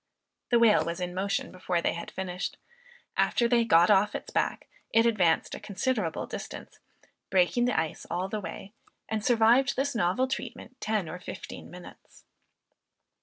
The whale was in motion before they had finished. After they got off its back, it advanced a considerable distance, breaking the ice all the way, and survived this novel treatment ten or fifteen minutes.